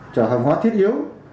trả hàng hóa thiết yếu